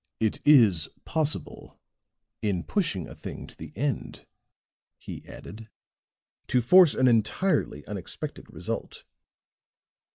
"It is possible, in pushing a thing to the end," he added, "to force an entirely unexpected result.